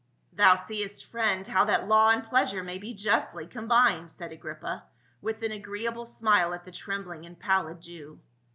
" Thou seest, friend, how that law and pleasure may be justly combined," said Agrippa, with an agreeable smile at the trembling and pallid Jew.